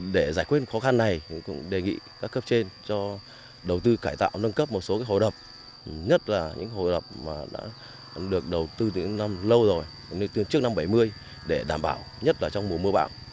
để giải quyết khó khăn này cũng đề nghị các cấp trên cho đầu tư cải tạo nâng cấp một số hồ đập nhất là những hồ đập mà đã được đầu tư từ năm lâu rồi từ trước năm bảy mươi để đảm bảo nhất là trong mùa mưa bão